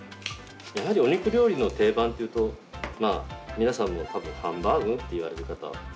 やはりお肉料理の定番っていうとまあ皆さんも多分ハンバーグと言われる方多いと思うんですよね。